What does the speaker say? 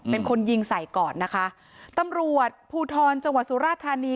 เป็นคนยิงใส่ก่อนนะคะตำรวจภูทรจังหวัดสุราธานี